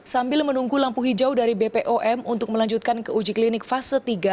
sambil menunggu lampu hijau dari bpom untuk melanjutkan ke uji klinik fase tiga